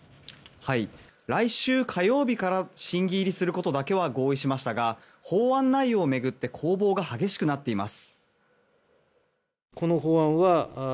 来週火曜日から審議入りすることだけは合意しましたが法案内容を巡って攻防が激しくなっています。